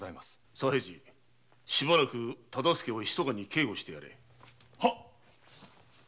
左平次しばらく大岡をひそかに警護してやれ。